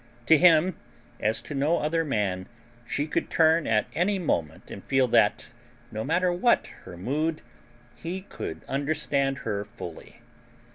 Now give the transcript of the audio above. To him, as to no other man, she could turn at any moment and feel that, no matter what her mood, he could understand her fully.